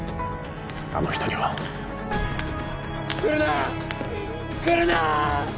あの人には来るな来るな！